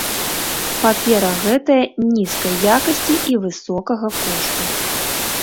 Папера гэтая нізкай якасці і высокага кошту.